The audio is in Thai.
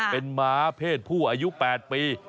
เป็นหมาเพศผู้อายุ๘ปี